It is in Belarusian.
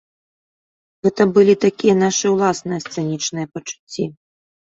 Гэта былі такія нашы ўласныя сцэнічныя пачуцці.